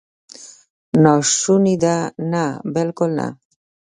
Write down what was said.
ناشونې ده؟ نه، بالکل نه!